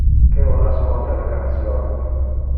Que on ascolta le cantion.